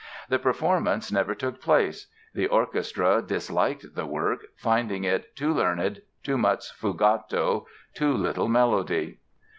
The performance never took place; the orchestra disliked the work, finding it "too learned, too much fugato, too little melody".